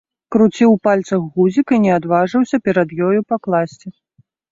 Круціў у пальцах гузік і не адважыўся перад ёю пакласці.